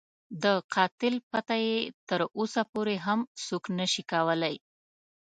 د قاتل پته یې تر اوسه پورې هم څوک نه شي کولای.